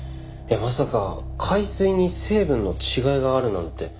いやまさか海水に成分の違いがあるなんて。